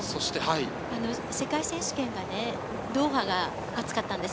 世界選手権がね、ドーハが暑かったんです。